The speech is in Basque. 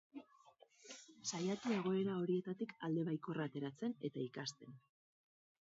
Saiatu egoera horietatik alde baikorra ateratzen, eta ikasten.